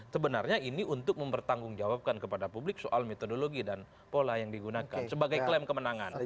sebenarnya ini untuk mempertanggungjawabkan kepada publik soal metodologi dan pola yang digunakan sebagai klaim kemenangan